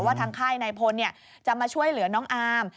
ทางค่ายนายพลจะมาช่วยเหลือน้องอาร์ม